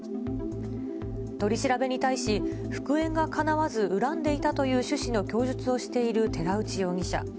取り調べに対し、復縁がかなわず恨んでいたという趣旨の供述をしている寺内容疑者。